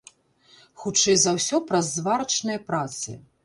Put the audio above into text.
Хутчэй за ўсё, праз зварачныя працы.